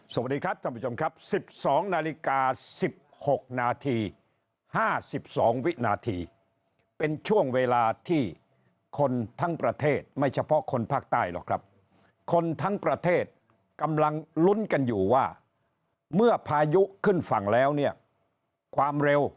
สวัสดีครับท่านผู้ชมครับ๑๒นาฬิกา๑๖นาที๕๒วินาทีเป็นช่วงเวลาที่คนทั้งประเทศไม่เฉพาะคนภาคใต้หรอกครับคนทั้งประเทศกำลังลุ้นกันอยู่ว่าเมื่อพายุขึ้นฝั่งแล้วเนี่ยความเร็ว